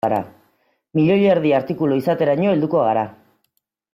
Milioi erdi artikulu izateraino helduko gara.